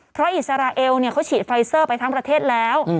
เพราะอิสราเอลเขาฉีดไฟเซอร์ไปทั้งประเทศแล้ว